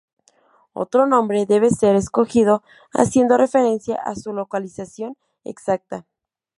Otro nombre debe ser escogido haciendo referencia a su localización exacta.